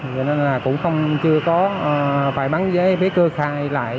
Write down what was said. vì vậy nên là cũng không chưa có phải bán giấy ví cơ khai lại